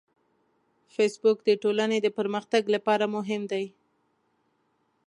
فېسبوک د ټولنې د پرمختګ لپاره مهم دی